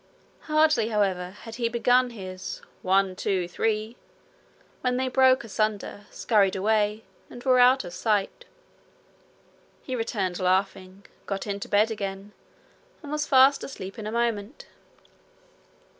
Hardly, however, had he begun his 'One, two, three!' when they broke asunder, scurried away, and were out of sight. He returned laughing, got into bed again, and was fast asleep in a moment.